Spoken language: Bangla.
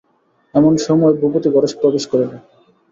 এমন সময় ভূপতি ঘরে প্রবেশ করিল।